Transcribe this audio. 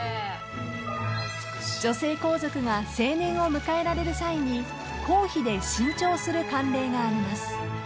［女性皇族が成年を迎えられる際に公費で新調する慣例があります］